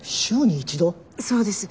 そうです。